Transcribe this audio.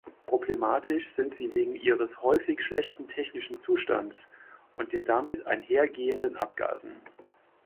Problematisch sind sie wegen ihres häufig schlechten technischen Zustands und den damit einhergehenden Abgasen.